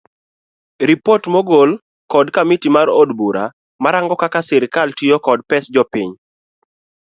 Ripot mogol kod kamiti mar od bura marango kaka sirikal tiyo kod pes jopiny